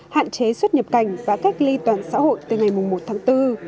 hạn chế xuất nhập cảnh và cách ly toàn xã hội từ ngày một tháng bốn